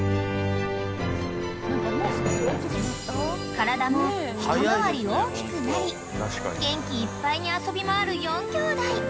［体も一回り大きくなり元気いっぱいに遊び回る４きょうだい］